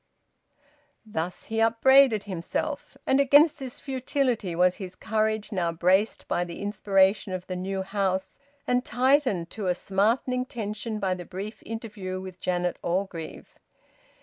Thus he upbraided himself. And against this futility was his courage now braced by the inspiration of the new house, and tightened to a smarting tension by the brief interview with Janet Orgreave.